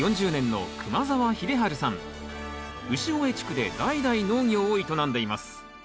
潮江地区で代々農業を営んでいます